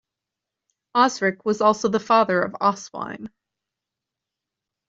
Osric was also the father of Oswine.